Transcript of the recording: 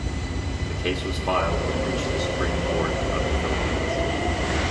The case was filed and reached the Supreme Court of the Philippines.